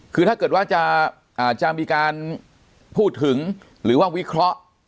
คือถ้าเกิดว่าจะมีการพูดถึงหรือว่าวิเคราะห์